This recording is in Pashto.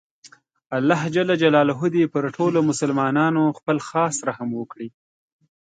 الله ﷻ دې پر ټولو مسلماناتو خپل خاص رحم وکړي